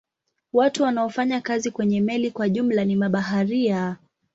Watu wanaofanya kazi kwenye meli kwa jumla ni mabaharia.